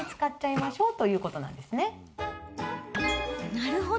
なるほど。